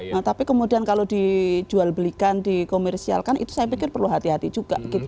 nah tapi kemudian kalau dijual belikan dikomersialkan itu saya pikir perlu hati hati juga